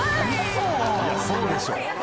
そうでしょ！